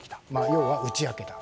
要は打ち明けた。